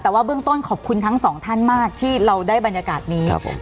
แต่ว่าเบื้องต้นขอบคุณทั้งสองท่านมากที่เราได้บรรยากาศนี้